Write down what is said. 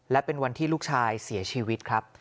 และเป็นวันที่ลูกชายเสียชีวิตครับ